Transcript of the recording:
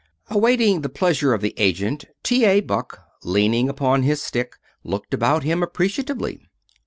Awaiting the pleasure of the agent, T. A. Buck, leaning upon his stick, looked about him appreciatively.